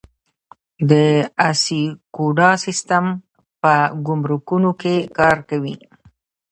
د اسیکوډا سیستم په ګمرکونو کې کار کوي؟